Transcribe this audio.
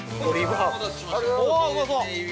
◆うわっ、うまそう！